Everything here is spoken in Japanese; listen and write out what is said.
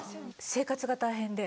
生活が大変で。